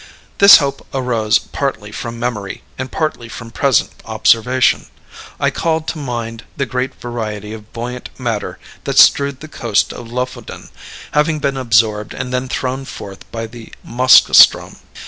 This hope arose partly from memory, and partly from present observation. I called to mind the great variety of buoyant matter that strewed the coast of Lofoden, having been absorbed and then thrown forth by the Moskoe ström.